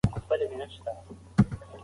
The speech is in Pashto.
د هر چا مقام وپیژنئ.